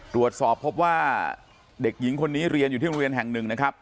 ตรวจสอบพบว่าเด็กหญิงคนนี้เรียนอยู่ที่โรงเรียนแห่งหนึ่งนะครับ